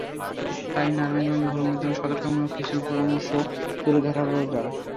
তাই নারায়ণগঞ্জ ভ্রমণের জন্য সতর্কতামূলক কিছু পরামর্শ তুলে ধরা হলো এবার।